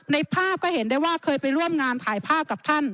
ในภาพก็เห็นได้ว่าเคยไปร่วมงานถ่ายภาพกับท่าน